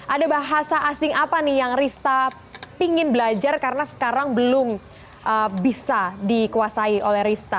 ada bahasa asing apa nih yang rista pingin belajar karena sekarang belum bisa dikuasai oleh rista